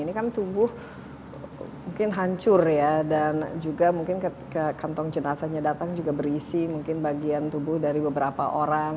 ini kan tubuh mungkin hancur ya dan juga mungkin kantong jenazahnya datang juga berisi mungkin bagian tubuh dari beberapa orang